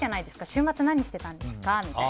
週末何していたんですかって。